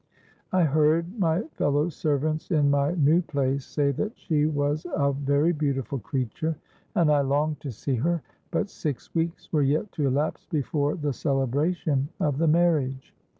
I heard my fellow servants in my new place say that she was a very beautiful creature; and I longed to see her; but six weeks were yet to elapse before the celebration of the marriage.